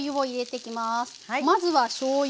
まずはしょうゆ。